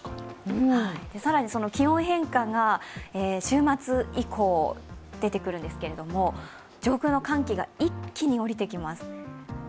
更に気温変化が週末以降出てくるんですが、上空の寒気が一気におりてきます。